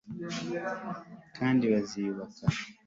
kandi biziyubaka